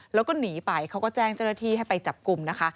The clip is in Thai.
แล้วก็หนีไปเขาก็แจ้งเจ้าหน้าที่ให้ไปจับกลุ่มนะคะ